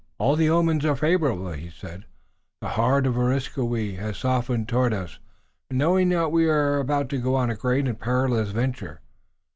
"All the omens are favorable," he said. "The heart of Areskoui has softened toward us, knowing that we are about to go on a great and perilous venture.